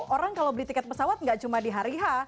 orang kalau beli tiket pesawat nggak cuma di hari h